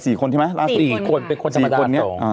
สี่คนใช่ไหมสี่คนค่ะสี่คนเป็นคนธรรมดาตรงอ่า